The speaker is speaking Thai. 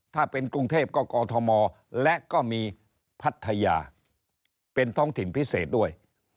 ถ้าเป็นกรุงเทพก็กอทมและก็มีพัทยาเป็นท้องถิ่นพิเศษด้วย